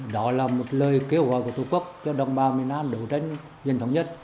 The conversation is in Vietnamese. đó là một lời kêu gọi của tổ quốc cho đồng bào miền nam đấu tranh giành thống nhất